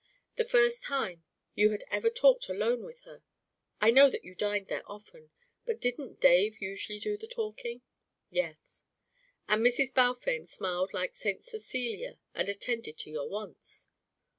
"The first time you had ever talked alone with her? I know that you dined there often, but didn't Dave usually do the talking?" "Yes." "And Mrs. Balfame smiled like St. Cecilia and attended to your wants."